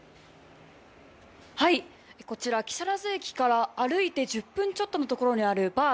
こちら、木更津駅から歩いて１０分ほどのところにあるバー